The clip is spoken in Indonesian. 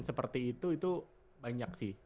seperti itu itu banyak sih